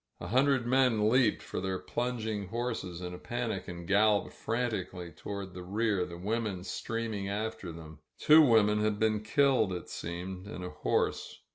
A himdred men leaped for their plunging horses in a panic and galloped frantically toward the rear, the women stream ing after them. Two women had been killed, it seemed, and a horse.